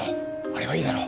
あれはいいだろ？